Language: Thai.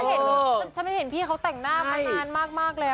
เออฉันไม่ได้เห็นเขาแต่งหน้ามานานมากแล้ว